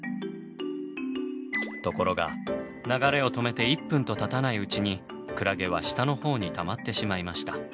ところが流れを止めて１分とたたないうちにクラゲは下のほうにたまってしまいました。